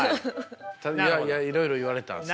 いやいやいろいろ言われたんすよ。